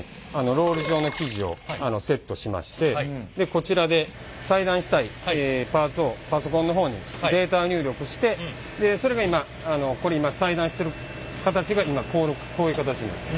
ロール状の生地をセットしましてこちらで裁断したいパーツをパソコンの方にデータ入力してでそれが今ここに裁断してる形が今こういう形になります。